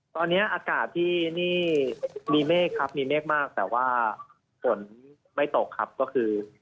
ตอนนี้อากาศที่นี่มีเมฆครับมีเมฆมากแต่ว่าฝนไม่ตกครับก็คือ